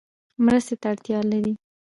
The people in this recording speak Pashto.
مرستې ته اړتیا لری؟